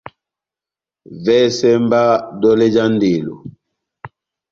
Vɛsɛ mba dɔlɛ já ndelo.